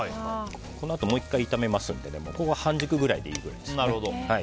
このあと、もう１回炒めますので半熟ぐらいでいいです。